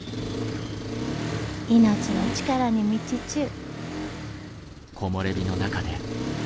命の力に満ちちゅう。